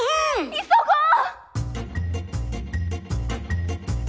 急ごう！